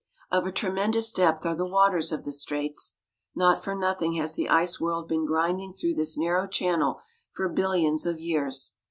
Of a tremendous depth are the waters of the straits. Not for nothing has the ice world been grinding through this narrow channel for billions of years.